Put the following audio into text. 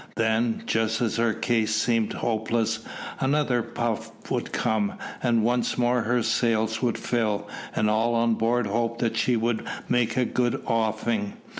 Then, just as her case seemed hopeless, another puff would come, and once more her sails would fill, and all on board hoped that she would make a good offing.